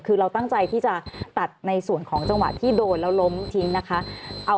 คือเราตั้งใจที่จะตัดในส่วนของจังหวะที่โดนแล้วล้มทิ้งนะคะ